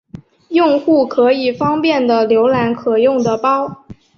用户可以方便的浏览可用的包。